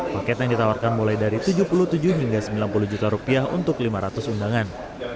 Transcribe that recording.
paket yang ditawarkan mulai dari tujuh puluh tujuh hingga sembilan puluh juta rupiah untuk lima ratus undangan